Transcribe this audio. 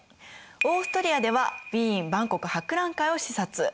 オーストリアではウィーン万国博覧会を視察。